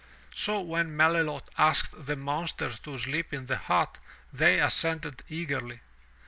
So when Melilot asked the monsters to sleep in the hut, they assented eagerly.